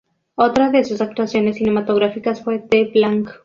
Otra de sus actuaciones cinematográficas fue "The Plank".